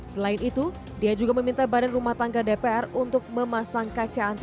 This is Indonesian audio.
selain itu dia juga meminta badan rumah tangga dpr untuk memasang kaca anti